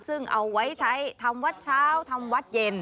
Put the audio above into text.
ซึ่งเอาไว้ใช้ทำวัดเช้าทำวัดเย็น